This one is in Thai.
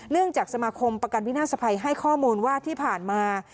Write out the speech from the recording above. จากสมาคมประกันวินาศภัยให้ข้อมูลว่าที่ผ่านมา